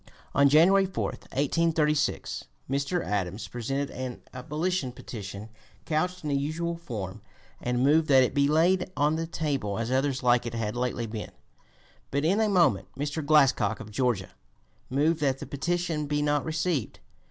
On January 4, 1836, Mr. Adams presented an abolition petition couched in the usual form, and moved that it be laid on the table, as others like it had lately been. But in a moment Mr. Glascock, of Georgia, moved that the petition be not received.